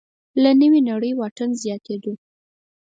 له نوې نړۍ واټن زیاتېدو